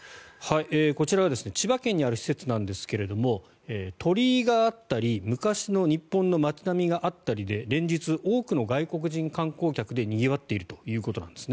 こちらは千葉県にある施設なんですが鳥居があったり昔の日本の街並みがあったりで連日、多くの外国人観光客でにぎわっているということなんです。